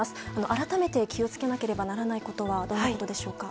改めて気を付けなければならないことはどんなことでしょうか。